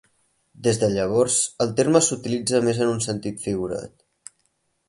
Des de llavors, el terme s'utilitza més en un sentit figurat.